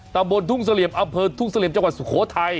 บนทุ่งเสลี่ยมอำเภอทุ่งเสลี่ยมจังหวัดสุโขทัย